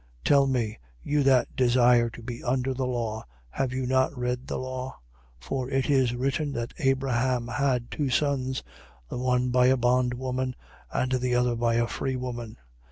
4:21. Tell me, you that desire to be under the law, have you not read the law? 4:22. For it is written that Abraham had two sons: the one by a bondwoman and the other by a free woman.